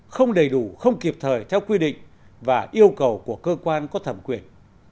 không đầy đủ không kịp thời theo quy định và yêu cầu của cơ quan có thẩm quyền